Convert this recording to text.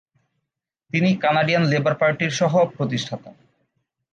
তিনি Canadian Labour পার্টির সহ-প্রতিষ্ঠাতা।